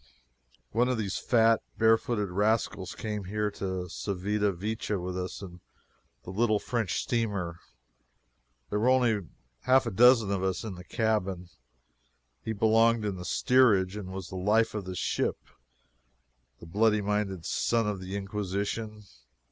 One of these fat bare footed rascals came here to Civita Vecchia with us in the little French steamer. There were only half a dozen of us in the cabin. He belonged in the steerage. He was the life of the ship, the bloody minded son of the Inquisition!